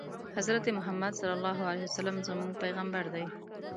حضرت محمد ص زموږ پیغمبر دی